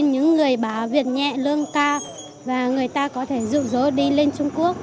người bảo việc nhẹ lương cao và người ta có thể dụ dỗ đi lên trung quốc